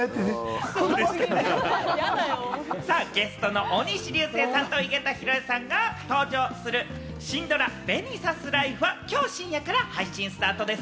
ゲストの大西流星さんと井桁弘恵さんが登場するシンドラ『紅さすライフ』はきょう深夜から配信スタートです。